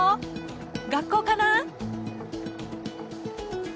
学校かな？